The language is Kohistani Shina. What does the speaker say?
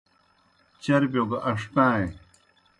چربِیو گہ ان٘ݜٹائیں۔